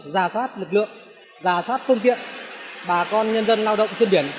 giả sát lực lượng giả sát phương tiện bà con nhân dân lao động trên biển